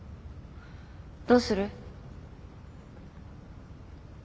どうする？